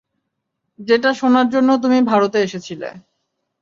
যেটা শোনার জন্য তুমি ভারতে এসেছিলে।